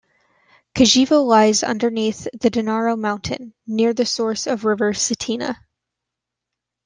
Kijevo lies underneath the Dinara mountain, near the source of river Cetina.